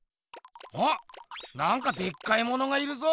おっなんかでっかいものがいるぞ。